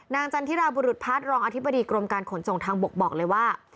จันทิราบุรุษพัฒน์รองอธิบดีกรมการขนส่งทางบกบอกเลยว่า